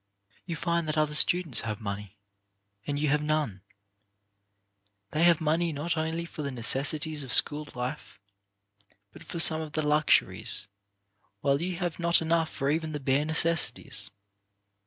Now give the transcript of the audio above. You find that other students have money, and you have none They have money not only for the necessities of school life, but for some of the luxuries, while you have not enough for even the bare necessities.